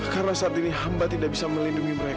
karena saat ini hamba tidak bisa melindungi mereka